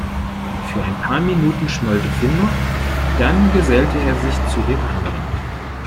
Für ein paar Minuten schmollte Finn noch, dann gesellte er sich zu den anderen.